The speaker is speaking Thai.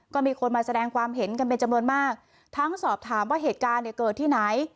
ก็มีคนมาแสดงความเห็นกันเป็นจำนวนมากทั้งสอบถามว่าเหตุการณ์เนี่ยเกิดที่ไหน